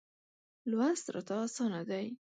لوست راته اسانه دی.